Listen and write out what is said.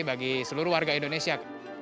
bagi seluruh warga indonesia